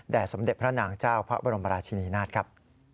สมเด็จพระนางเจ้าพระบรมราชินีนาฏครับ